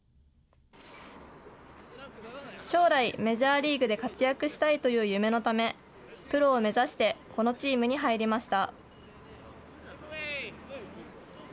将来メジャーリーグで活躍したいという夢のため、プロを目指して、このチームに入りました。